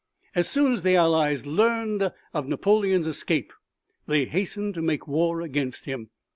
As soon as the Allies learned of Napoleon's escape they hastened to make war against him.